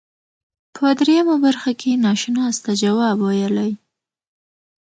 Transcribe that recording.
په دریمه برخه کې ناشناس ته جواب ویلی.